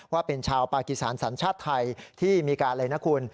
ว่าเป็นชาวปากีสารสัญชาติไทยที่มีการอะไรนะคุณ